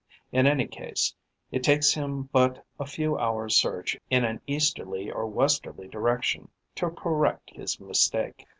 In any case, it takes him but a few hours' search in an easterly or westerly direction to correct his mistake.'